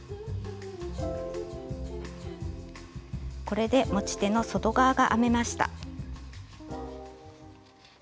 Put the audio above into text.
これで持ち手の外側が編めました。